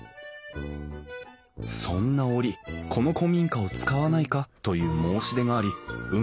そんな折この古民家を使わないかという申し出があり運